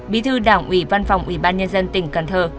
bi thư đảng ubnd tỉnh cần thơ